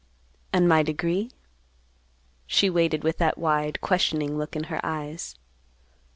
"And my degree?" She waited with that wide, questioning look in her eyes.